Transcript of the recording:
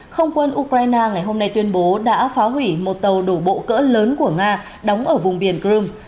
không quân ukraine ngày hôm nay tuyên bố đã phá hủy một tàu đổ bộ cỡ lớn của nga đóng ở vùng biển crimea